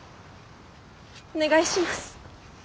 お願いします。